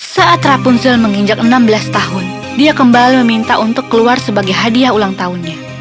saat rapunzel menginjak enam belas tahun dia kembali meminta untuk keluar sebagai hadiah ulang tahunnya